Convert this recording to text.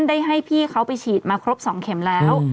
ได้ให้พี่เขาไปฉีดมาครบ๒เข็มแล้ว